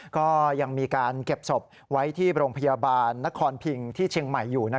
ก็ยังมีการเก็บศพไว้ที่โรงพยาบาลนครพิงที่เชียงใหม่อยู่